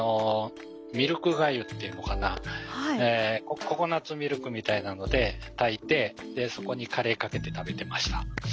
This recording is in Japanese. ミルクがゆっていうのかなココナツミルクみたいなので炊いてそこにカレーかけて食べてました。